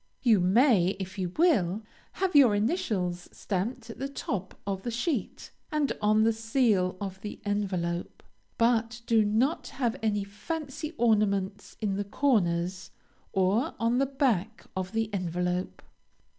You may, if you will, have your initials stamped at the top of the sheet, and on the seal of the envelope, but do not have any fancy ornaments in the corners, or on the back of the envelope.